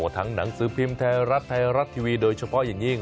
ทั้งหนังสือพิมพ์ไทยรัดไทยรัดทีวีโดยเฉพาะอย่างงี้